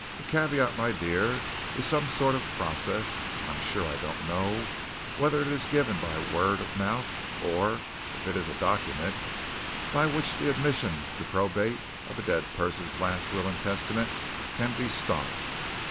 "A caveat, my dear, is some sort of process I'm sure I don't know whether it's given by word of mouth, or if it's a document by which the admission to probate of a dead person's last will and testament can be stopped.